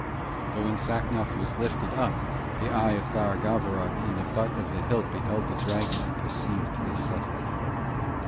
But when Sacnoth was lifted up, the eye of Tharagavverug in the butt of the hilt beheld the dragon and perceived his subtlety.